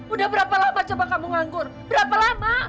udah berapa lama coba kamu nganggur berapa lama